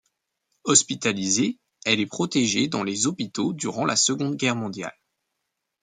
Hospitalisée, elle est protégée dans les hôpitaux durant la Seconde Guerre Mondiale.